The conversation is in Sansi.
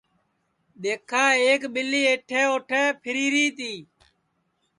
دؔیکھا ایک ٻیلی ایٹھے اوٹھے پھیری ری تی